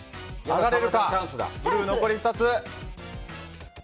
ブルーは残り２つ。